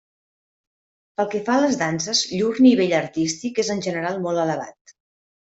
Pel que fa a les danses, llur nivell artístic és en general molt elevat.